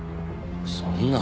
そんな。